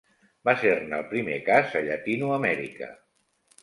Va ser-ne el primer cas a Llatinoamèrica.